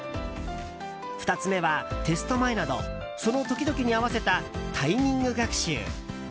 ２つ目は、テスト前などその時々に合わせたタイミング学習。